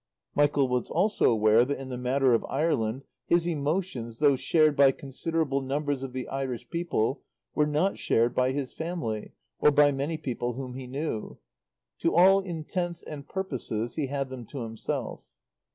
Michael was also aware that in the matter of Ireland his emotions, though shared by considerable numbers of the Irish people, were not shared by his family or by many people whom he knew; to all intents and purposes he had them to himself.